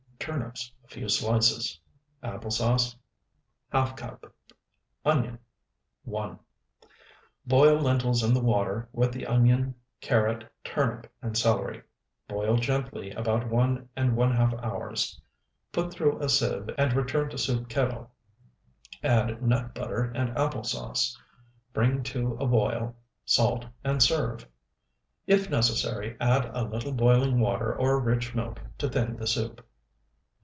Turnips, a few slices. Apple sauce, ½ cup. Onion, 1. Boil lentils in the water with the onion, carrot, turnip, and celery; boil gently about one and one half hours; put through a sieve and return to soup kettle; add nut butter and apple sauce. Bring to a boil, salt, and serve. If necessary, add a little boiling water or rich milk to thin the soup.